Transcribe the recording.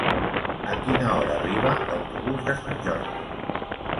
A quina hora arriba l'autobús de Sant Jordi?